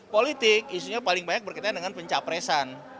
politik isunya paling banyak berkaitan dengan pencapresan